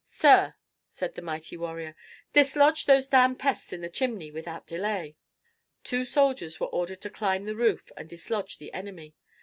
"Sir," said the mighty warrior, "dislodge those damn pests in the chimney, without delay." Two soldiers were ordered to climb the roof and dislodge the enemy.